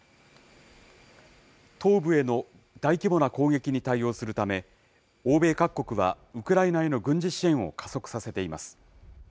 東部への大規模な攻撃に対応するため、欧米各国はウクライナへの軍事支援を加速させています。